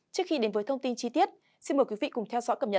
trước khi đến với thông tin chi tiết xin mời quý vị cùng theo dõi cập nhật